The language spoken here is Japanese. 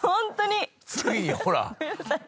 ついにほらっ！